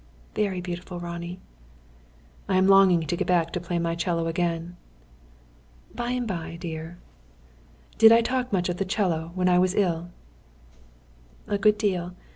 "Very beautiful, Ronnie." "I am longing to get back to play my 'cello again." "By and by, dear." "Did I talk much of the 'cello when I was ill?" "A good deal.